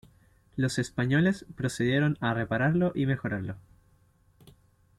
Los españoles procedieron a repararlo y mejorarlo.